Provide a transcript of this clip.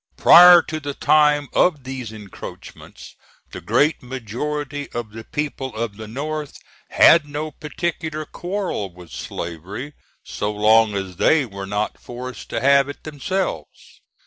Prior to the time of these encroachments the great majority of the people of the North had no particular quarrel with slavery, so long as they were not forced to have it themselves.